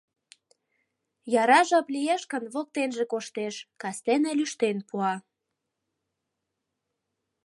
Яра жап лиеш гын, воктенже коштеш, кастене лӱштен пуа.